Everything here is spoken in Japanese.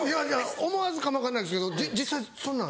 思わずかも分からないですけど実際そんなん。